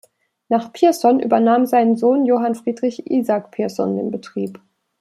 Nach Pierson übernahm sein Sohn Johann Friedrich Isaak Pierson den Betrieb.